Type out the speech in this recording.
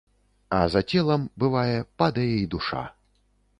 А за целам, бывае, падае і душа.